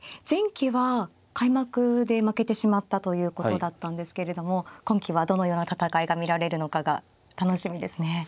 前期は開幕で負けてしまったということだったんですけれども今期はどのような戦いが見られるのかが楽しみですね。